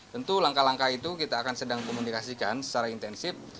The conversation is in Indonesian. tentu langkah langkah itu kita akan sedang komunikasikan secara intensif